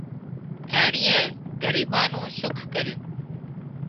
ايئانئي ڳريٻان نُون سُک ڪريون